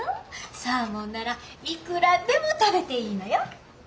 サーモンならいくらでも食べていいのよ。